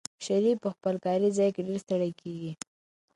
شریف په خپل کاري ځای کې ډېر ستړی کېږي.